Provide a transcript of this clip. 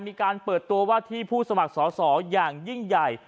มีการเปิดตัวว่าที่ผู้สมัครสอสออย่างยิ่งใหญ่